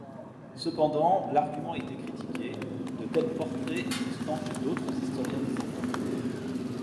Cependant, l'argument a été critiqué, de tels portraits existant chez d'autres historiens byzantins.